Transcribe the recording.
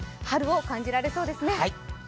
春を感じられそうですね。